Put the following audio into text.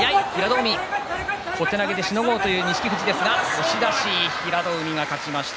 押し出し、平戸海が勝ちました。